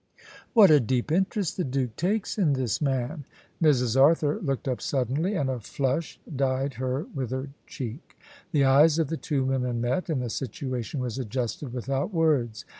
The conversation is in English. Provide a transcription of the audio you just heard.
"What a deep interest the Duke takes in this man!" Mrs. Arthur looked up suddenly, and a flush dyed her withered cheek. The eyes of the two women met, and the situation was adjusted without words.